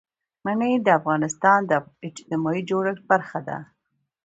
منی د افغانستان د اجتماعي جوړښت برخه ده.